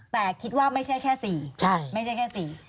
แต่คิดว่าไม่ใช่แค่๔ไม่ใช่แค่๔